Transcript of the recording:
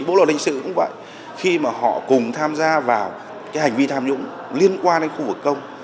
bộ luật linh sự cũng vậy khi mà họ cùng tham gia vào hành vi tham nhũng liên quan đến khu vực công